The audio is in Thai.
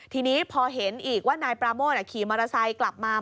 ทีนี้พอเห็นอีกว่านายปราโมทขี่มอเตอร์ไซค์กลับมา